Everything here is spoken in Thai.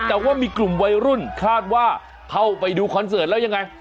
แต่ว่ามีกลุ่มวัยรุ่นคาดว่าเข้าไปดูคอนเสิร์ตแล้วยังไง